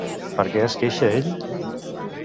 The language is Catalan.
Per què es queixa ell?